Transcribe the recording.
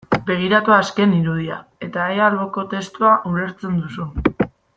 Begiratu azken irudia eta ea alboko testua ulertzen duzun.